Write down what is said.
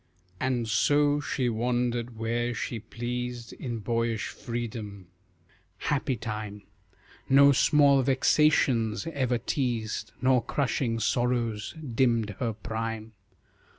And so she wandered where she pleased In boyish freedom. Happy time! No small vexations ever teased, Nor crushing sorrows dimmed her prime.